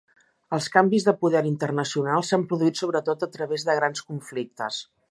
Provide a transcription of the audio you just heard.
Els canvis de poder internacional s'han produït sobretot a través de grans conflictes.